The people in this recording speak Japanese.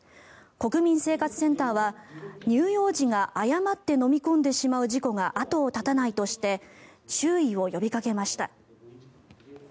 国民生活センターは、乳幼児が誤って飲み込んでしまう事故が後を絶たないとして注意を呼びかけました。